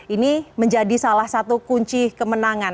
ini menjadi salah satu kunci kemenangan